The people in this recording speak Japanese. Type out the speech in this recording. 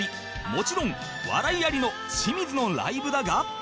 もちろん笑いありの清水のライブだが